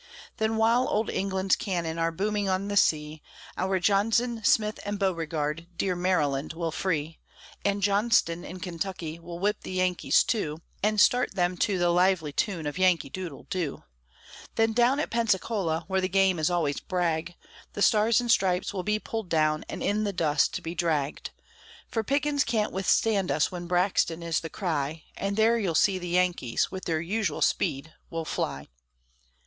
Then while Old England's cannon are booming on the sea, Our Johnson, Smith, and Beauregard dear Maryland will free, And Johnston in Kentucky will whip the Yankees too, And start them to the lively tune of "Yankee doodle doo." Then down at Pensacola, where the game is always "Bragg," The "Stars and Stripes" will be pulled down and in the dust be dragged; For Pickens can't withstand us when Braxton is the cry, And there you'll see the Yankees, with their usual speed, will fly.